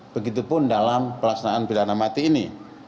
begitupun dalam pelaksanaan pidana mati ini